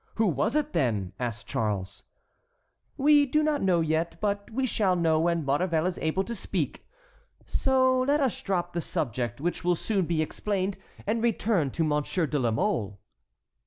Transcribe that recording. "Who was it, then?" asked Charles. "We do not know yet, but we shall know when Maurevel is able to speak. So let us drop the subject, which will soon be explained, and return to Monsieur de la Mole."